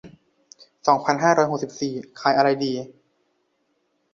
สองพันห้าร้อยหกสิบสี่ ขายอะไรดี ปี